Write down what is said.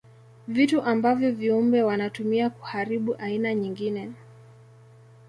Vitu ambavyo viumbe wanatumia kuharibu aina nyingine.